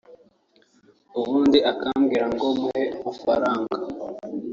ubundi akambwira ngo muhe amafaranga